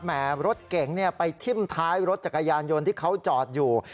แหมรถเก๋งไปทิ้มท้ายรถจักรยานยนต์ที่เขาจอดอยู่